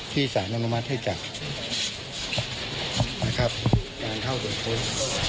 ที่ศาสนมรมัติให้จับนะครับการเข้าตรวจค้น